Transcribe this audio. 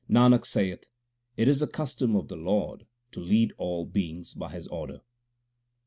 Nanak saith, it is the custom of the Lord to lead all beings by His order.